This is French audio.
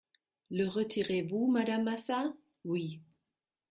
Le retirez-vous, madame Massat ? Oui.